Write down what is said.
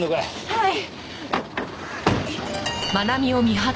はい。